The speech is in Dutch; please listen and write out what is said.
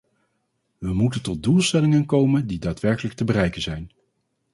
We moeten tot doelstellingen komen die daadwerkelijk te bereiken zijn.